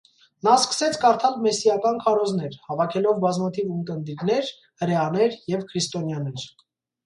Նա սկսեց կարդալ մեսսիական քարոզներ, հավաքելով բազմաթիվ ունկնդիրներ, հրեաներ և քրիստոնյաներ։